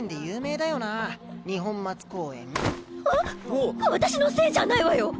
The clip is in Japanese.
わわたしのせいじゃないわよ！